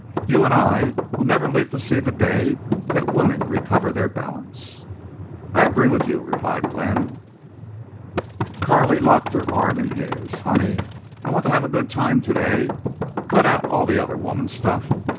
"You and I will never live to see the day that women recover their balance." "I agree with you," replied Glenn. Carley locked her arm in his. "Honey, I want to have a good time today. Cut out all the other women stuff....